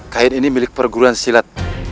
kain ini milik perguruan silat